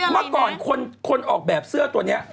เมื่อก่อนคนออกแบบเสื้อตัวนี้